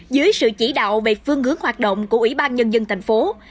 dưới sự chỉ đạo về phương hướng hoạt động của ủy ban nhân dân tp hcm